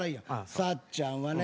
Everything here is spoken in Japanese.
「サッちゃんはね」